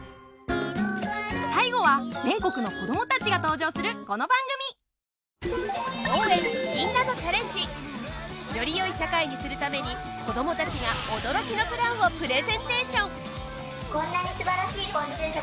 最後は全国の子供たちが登場するこの番組！よりよい社会にするために子供たちが驚きのプランをプレゼンテーション！